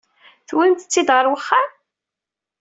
Tewwimt-tt-id ɣer uxxam?